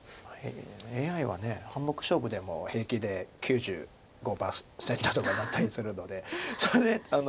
ＡＩは半目勝負でも平気で９５％とかなったりするのでそれ。